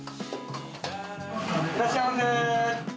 いらっしゃいませ。